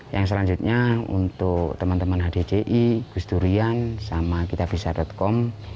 yang selanjutnya untuk teman teman hdci gus durian sama kitabisa com